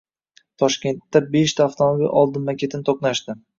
Toshkentdabeshta avtomobil oldinma-ketin to‘qnashdi